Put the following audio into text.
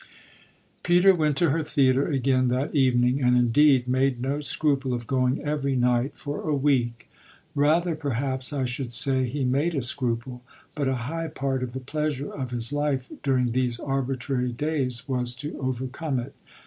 Peter went to her theatre again that evening and indeed made no scruple of going every night for a week. Rather perhaps I should say he made a scruple, but a high part of the pleasure of his life during these arbitrary days was to overcome it.